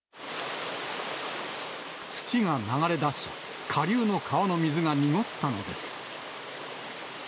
土が流れ出し、下流の川の水が濁ったのです。